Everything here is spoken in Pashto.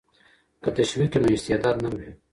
که تشویق وي نو استعداد نه مري.